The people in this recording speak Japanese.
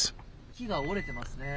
木が折れてますね。